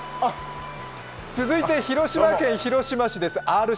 続いて、広島県広島市です。